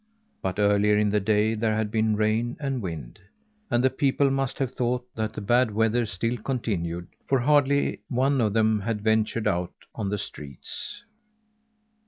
But earlier in the day, there had been rain and wind; and the people must have thought that the bad weather still continued, for hardly one of them had ventured out on the streets.